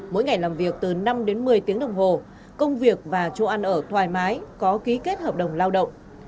mỗi ngày làm việc từ năm đến một mươi tiếng đồng hồ công việc và chỗ ăn ở thoải mái có ký kết hợp đồng lao động